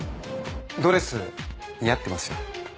ドレス似合ってますよ。